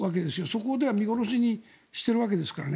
そこでは見殺しにしているわけですから。